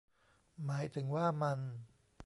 หมายถึงว่า มัน